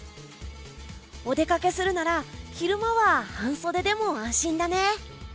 お出かけするなら昼間は半袖でも安心だね。